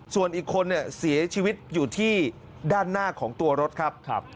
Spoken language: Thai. ส่วนอีกคนเนี่ยเสียชีวิตอยู่ที่ด้านหน้าของตัวรถครับ